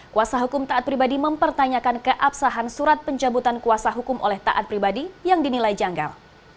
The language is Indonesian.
kuasa hukum taat pribadi mempertanyakan keabsahan surat pencabutan kuasa hukum oleh taat pribadi yang dinilai janggal